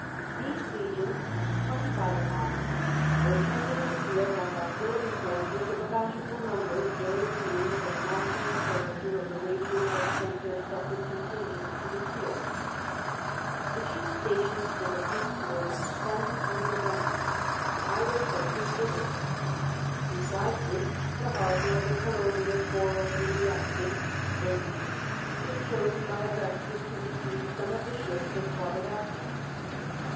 These legions, twenty five in all, were attended in the field by auxiliary forces of about equal numbers, bearing the names and national character of the races that sent their separate contingents to the field. The chief stations for the fleets were at Misenum and Ravenna, on either coast of Italy, besides which the bar 209 The Frontiers and the Army. hour of the Colonia Forojuliensis (Fr^jus) was chosen by Augustus to receive some of the ships that fought at Actium.